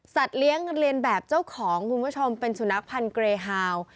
เลี้ยงเรียนแบบเจ้าของคุณผู้ชมเป็นสุนัขพันธ์เกรฮาว